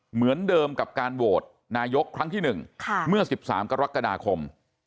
เหมือนเดิมกับการโหวตนายกครั้งที่๑เมื่อ๑๓กรกฎาคม